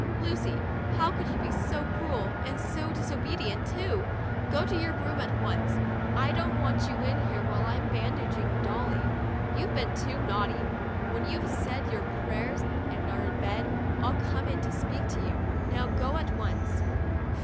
Lucy, how could you be so cruel, and so disobedient, too ! Go to your room at once; I don't want you in here while I'm bandaging Dolly, you've been too naughty. When you've said your prayers and are in bed, I'll come in to speak to you. Now, go at once."